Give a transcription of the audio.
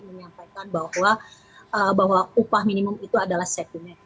menyampaikan bahwa upah minimum itu adalah sekuen